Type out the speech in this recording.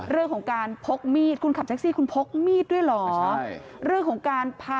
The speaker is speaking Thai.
เรื่องของการพกมีดคุณขับแท็กซี่คุณพกมีดด้วยเหรอ